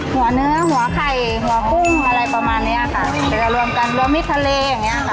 หัวเนื้อหัวไข่หัวกุ้งอะไรประมาณเนี้ยค่ะแล้วก็รวมกันรวมมิดทะเลอย่างเงี้ยค่ะ